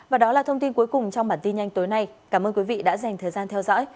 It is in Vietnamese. và đó là thông tin cuối cùng trong bản tin nhanh tối nay cảm ơn quý vị đã dành thời gian theo dõi